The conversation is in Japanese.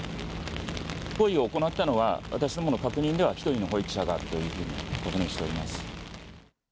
行為を行ったのは、私どもの確認では１人の保育者だというふうに確認しております。